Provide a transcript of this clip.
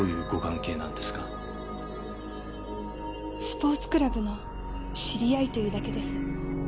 スポーツクラブの知り合いというだけです。